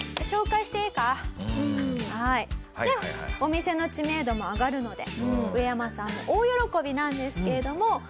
お店の知名度も上がるのでウエヤマさんも大喜びなんですけれども。